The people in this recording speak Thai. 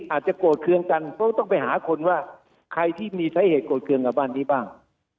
อาจจะโกรธเครื่องกันเพราะต้องไปหาคนว่าใครที่มีสาเหตุโกรธเครื่องกับบ้านนี้บ้าง